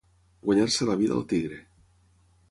Guanyar-se la vida al tigre.